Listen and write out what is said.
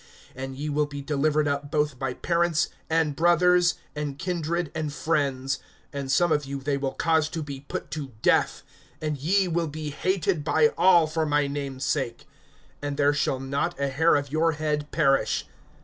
(16)And ye will be delivered up both by parents, and brothers, and kindred, and friends; and some of you they will cause to be put to death. (17)And ye will be hated by all for my name's sake. (18)And there shall not a hair of your head perish.